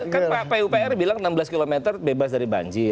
kan pak pupr bilang enam belas km bebas dari banjir